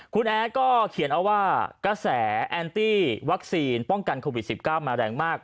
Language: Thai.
คุณแอร์ก็เขียนเอาว่ากระแสแอนตี้วัคซีนป้องกันโควิด๑๙มาแรงมาก